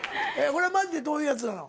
これはマジでどういうやつなの？